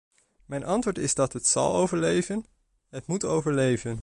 Mijn antwoord is dat het zal overleven; het moet overleven.